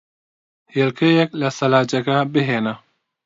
هێلکەیەک لە سەلاجەکە بھێنە.